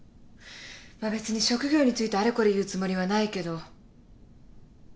まあ別に職業についてあれこれ言うつもりはないけど。